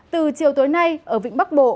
từ chiều tối nay ở vịnh bắc bộ